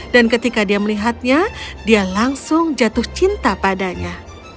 dan ketika dia melihatnya dia langsung jatuh cinta padanya